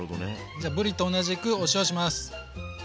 じゃぶりと同じくお塩します。